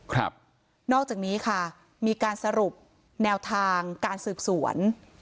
ครับนอกจากนี้ค่ะมีการสรุปแนวทางการสืบสวน